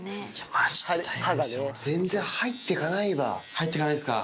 入っていかないですか。